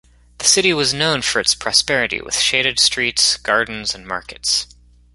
The city was known for its prosperity, with shaded streets, gardens, and markets.